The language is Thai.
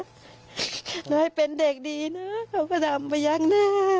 ให้เป็นเด็กดีนะเขาก็ทำไปยังหน้า